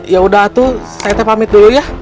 ya udah tuh saya teh pamit dulu ya